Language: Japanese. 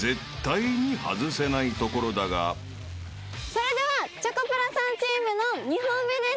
それではチョコプラさんチームの２本目です。